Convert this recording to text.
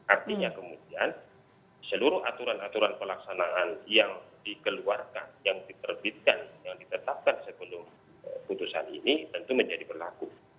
artinya kemudian seluruh aturan aturan pelaksanaan yang dikeluarkan yang diterbitkan yang ditetapkan sebelum putusan ini tentu menjadi berlaku